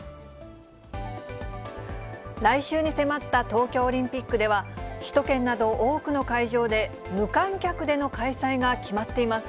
来週に迫った東京オリンピックでは、首都圏など多くの会場で無観客での開催が決まっています。